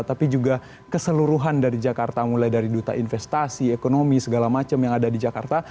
tapi juga keseluruhan dari jakarta mulai dari duta investasi ekonomi segala macam yang ada di jakarta